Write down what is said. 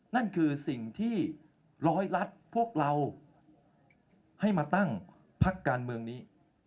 นั่นคือสิ่งที่ร้อยรัฐพวกเราให้มาตั้งพักการเมืองนี้